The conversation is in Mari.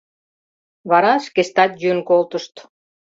Вара шкештат йӱын колтышт.